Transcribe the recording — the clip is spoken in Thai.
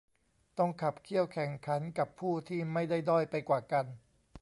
ต้องขับเคี่ยวแข่งขันกับผู้ที่ไม่ได้ด้อยไปกว่ากัน